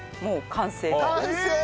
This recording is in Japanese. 完成！